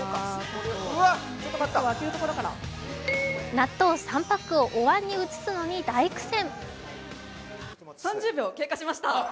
納豆３パックをおわんに移すのに大苦戦。